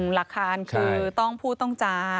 หลักฐานคือต้องพูดต้องจา